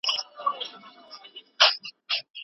هغه توهمات چي خلګ پرې باور لري باید له منځه یوړل سي.